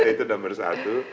itu nomor satu